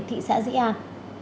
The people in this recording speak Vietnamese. thị xã dĩ an